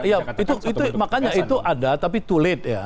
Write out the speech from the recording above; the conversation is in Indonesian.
ya makanya itu ada tapi too late ya